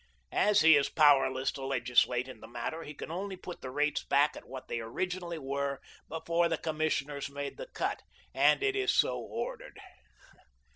As he is powerless to legislate in the matter, he can only put the rates back at what they originally were before the commissioners made the cut, and it is so ordered.'